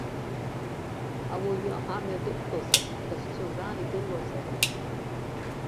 Ауаҩы амҩа дықәлозар, дахьцо заа идыруазароуп.